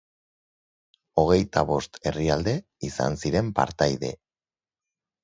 Hogeita bost herrialde izan ziren partaide.